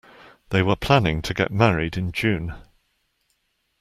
They were planning to get married in June.